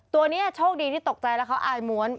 ตัวนี้โชคดีที่ตกใจแล้วเขาอายม้วน